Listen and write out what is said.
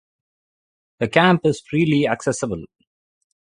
The camp is freely accessible.